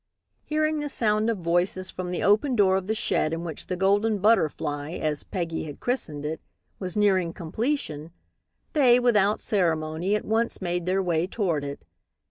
Hearing the sound of voices from the open door of the shed in which The Golden Butterfly, as Peggy had christened it, was nearing completion, they, without ceremony, at once made their way toward it.